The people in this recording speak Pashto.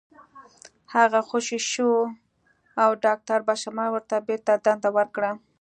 هغه خوشې شو او داکتر بشرمل ورته بېرته دنده ورکړه